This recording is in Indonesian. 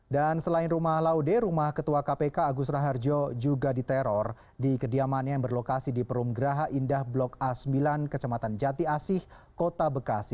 dan selain rumah laude rumah ketua kpk agus raharjo juga diteror di kediamannya yang berlokasi di perumgeraha indah blok a sembilan kecamatan jati asih kota bekasi